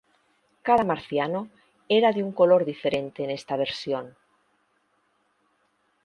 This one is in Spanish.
Cada marciano era de un color diferente en esta versión.